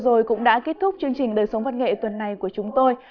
rồi cũng đã kết thúc chương trình đời sống văn nghệ tuần này của chúng tôi